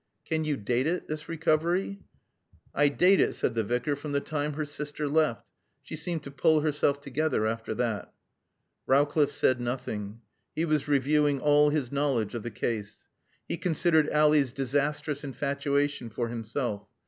"Can you date it this recovery?" "I date it," said the Vicar, "from the time her sister left. She seemed to pull herself together after that." Rowcliffe said nothing. He was reviewing all his knowledge of the case. He considered Ally's disastrous infatuation for himself.